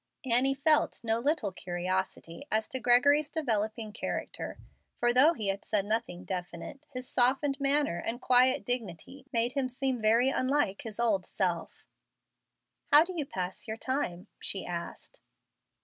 Annie felt no little curiosity as to Gregory's developing character, for though he had said nothing definite, his softened manner and quiet dignity made him seem very unlike his old self. "How do you pass your time?" she asked.